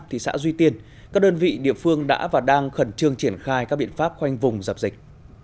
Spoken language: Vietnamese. thị xã duy tiên các đơn vị địa phương đã và đang khẩn trương triển khai các biện pháp khoanh vùng dập dịch